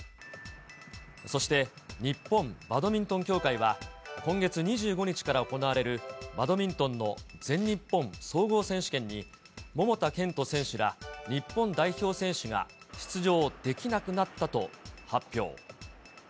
そして日本バドミントン協会は、今月２５日から行われる、バドミントンの全日本総合選手権に、桃田賢斗選手ら日本代表選手が出場できなくなったと発表。